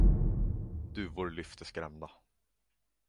Duvor lyfte skrämda.